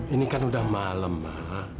ini kan udah malam